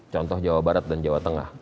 contoh jawa barat dan jawa tengah